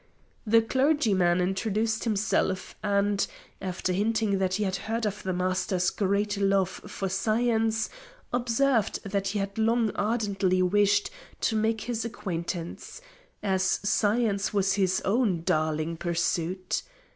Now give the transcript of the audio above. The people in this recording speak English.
The clergyman introduced himself and, after hinting that he had heard of the Master's great love for science, observed that he had long ardently wished to make his acquaintance, as science was his own darling pursuit.